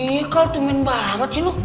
ih kal temen banget sih lu